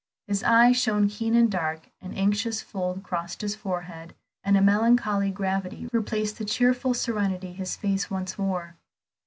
His eye shone keen and dark, an anxious fold crossed his forehead, and a melancholy gravity replaced the cheerful serenity his face once wore.